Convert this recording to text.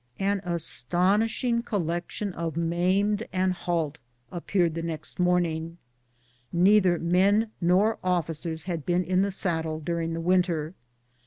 An astonishing collection of maimed and halt ap peared the next morning; neither men nor officers had been in the saddle during the winter.